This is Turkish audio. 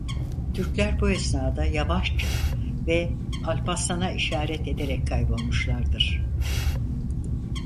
Türkler bu esnada yavaşça ve Alpaslan'a işaret ederek kaybolmuşlardır.